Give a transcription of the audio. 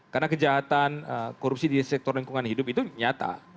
karena kejahatan korupsi di sektor lingkungan hidup itu nyata